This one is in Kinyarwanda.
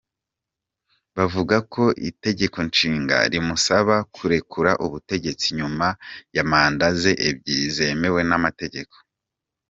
bavuga ko itegekonshinga rimusaba kurekura ubutegetsi nyuma ya manda ze ebyiri zemewe n'amategeko.